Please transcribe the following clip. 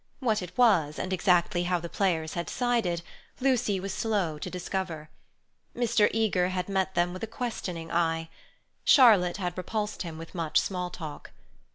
What it was and exactly how the players had sided, Lucy was slow to discover. Mr. Eager had met them with a questioning eye. Charlotte had repulsed him with much small talk.